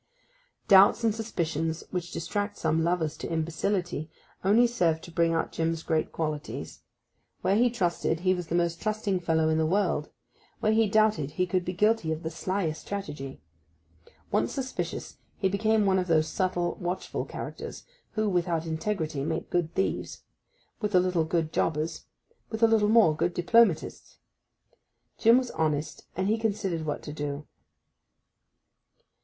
Doubts and suspicions which distract some lovers to imbecility only served to bring out Jim's great qualities. Where he trusted he was the most trusting fellow in the world; where he doubted he could be guilty of the slyest strategy. Once suspicious, he became one of those subtle, watchful characters who, without integrity, make good thieves; with a little, good jobbers; with a little more, good diplomatists. Jim was honest, and he considered what to do.